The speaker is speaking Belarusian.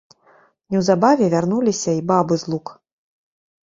Неўзабаве вярнуліся й бабы з лук.